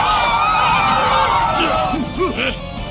aku akan mencari